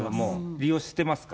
利用してますか？